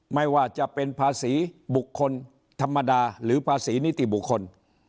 ไม่ว่าจะเป็นภาษีบุคคลธรรมดาหรือภาษีนิติบุคคล